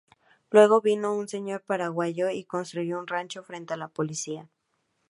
Luego vino un señor paraguayo y construyó un rancho frente a la policía.